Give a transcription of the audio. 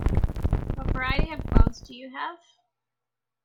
What variety of gloves do you have?